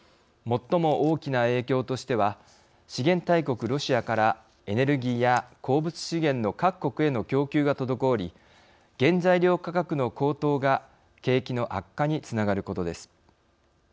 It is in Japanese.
もっとも大きな影響としては資源大国ロシアからエネルギーや鉱物資源の各国への供給が滞り原材料価格の高騰が景気の悪化につながることです。